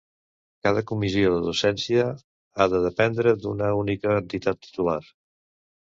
Cada comissió de docència ha de dependre d'una única entitat titular.